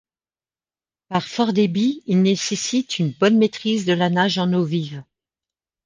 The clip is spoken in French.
Par fort débit, ils nécessitent une bonne maîtrise de la nage en eau vive.